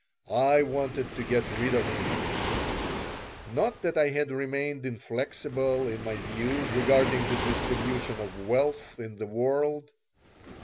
I wanted to get rid of him Not that I had remained inflexible in my views regarding the distribution of wealth in the world.